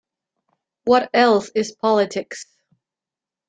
What else is politics?